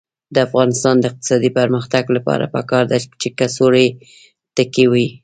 د افغانستان د اقتصادي پرمختګ لپاره پکار ده چې کڅوړې تکې وي.